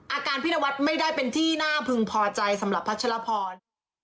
อาการพี่นวัดไม่ได้เป็นที่น่าพึงพอใจสำหรับพัชรพร